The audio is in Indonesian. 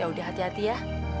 yaudah hati hati ya